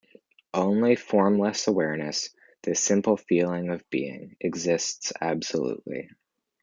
Only formless awareness, "the simple feeling of being", exists absolutely.